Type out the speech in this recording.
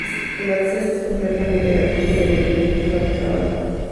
El acceso es completamente gratuito y abierto al público a toda hora.